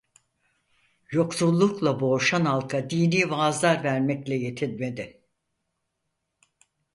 Yoksullukla boğuşan halka dini vaazlar vermekle yetinmedi.